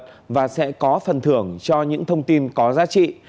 cơ quan công an sẽ có phần thưởng cho những thông tin có giá trị